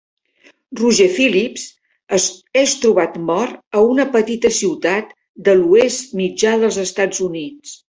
Roger Phillips és trobat mort a una petita ciutat de l'Oest Mitjà dels Estats Units.